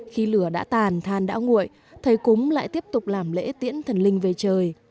khi lửa đã tàn than đã nguội thầy cúng lại tiếp tục làm lễ tiễn thần linh về trời